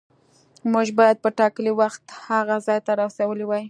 موږ باید په ټاکلي وخت هغه ځای ته رسولي وای.